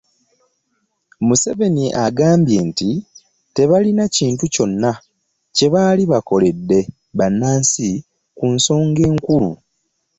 Museveni yagambye nti,‘’ Tebalina kintu kyonna kye baali bakoledde bannansi ku nsonga enkulu.”